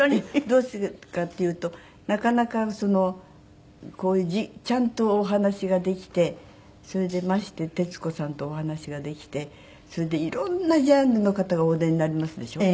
どうしてかっていうとなかなかこういうちゃんとお話ができてそれでまして徹子さんとお話ができてそれで色んなジャンルの方がお出になりますでしょ。